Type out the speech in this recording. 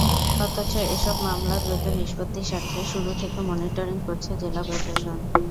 অথচ এসব মামলা দ্রুত নিষ্পত্তির স্বার্থে শুরু থেকে মনিটরিং করছে জেলা প্রশাসন।